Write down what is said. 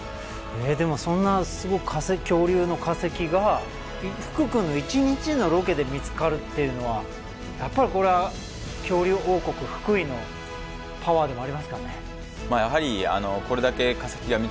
でもそんなすごい恐竜の化石が福くんの一日のロケで見つかるっていうのはやっぱりこれは恐竜王国福井のパワーでもありますかね。